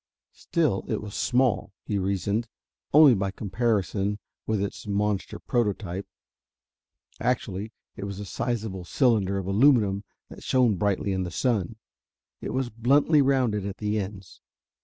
Still, it was small, he reasoned, only by comparison with its monster prototype: actually it was a sizable cylinder of aluminum that shone brightly in the sun. It was bluntly rounded at the ends.